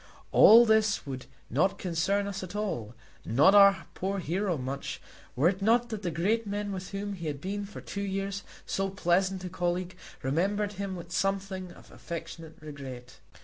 All this would not concern us at all, nor our poor hero much, were it not that the great men with whom he had been for two years so pleasant a colleague, remembered him with something of affectionate regret.